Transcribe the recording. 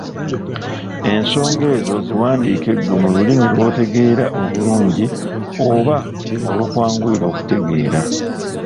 Ensonga ezo ziwandiike ggwe mu lulimi lw'otegeera obulungi oba olukwanguyira okutegeera.